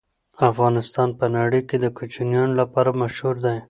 افغانستان په نړۍ کې د کوچیانو لپاره مشهور دی.